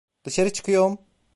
Dışarı çıkıyorum.